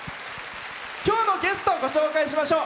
今日のゲストをご紹介しましょう。